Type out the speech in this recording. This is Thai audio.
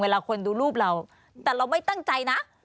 เวลาคนดูรูปเราแต่เราไม่ตั้งใจนะ